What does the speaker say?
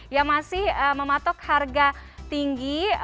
yang masih mematok harga tinggi